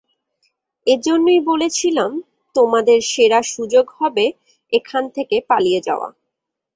এজন্যই বলেছিলাম, তোমাদের সেরা সুযোগ হবে এখান থেকে পালিয়ে যাওয়া।